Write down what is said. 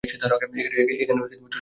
এখানে চলছেটা কী?